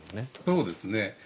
そうですね。